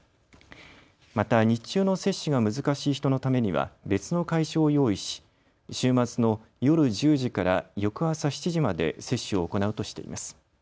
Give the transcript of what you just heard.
また日中の接種が難しい人のためには別の会場を用意し、週末の夜１０時から翌朝７時まで接種を行うとしています。